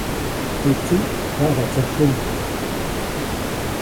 Teʼ tsiʼ kaʼbatsäjkuʼuŋ.